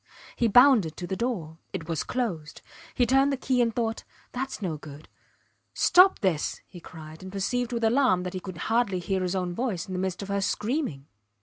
He bounded to the door. It was closed. He turned the key and thought: thats no good. ... Stop this! he cried, and perceived with alarm that he could hardly hear his own voice in the midst of her screaming.